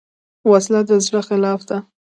وسله د زړه خلاف ده